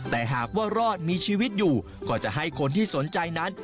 แต่หากว่ารอดมีชีวิตอยู่ก็จะให้คนที่สนใจนั้น